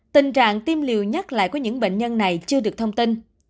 tình trạng tiêm liều nhắc lại của những bệnh nhân này chưa được thông tin